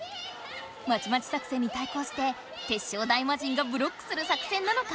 待ち待ち作戦に対こうしてテッショウ大魔神がブロックする作戦なのか？